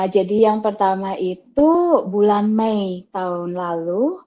jadi yang pertama itu bulan mei tahun lalu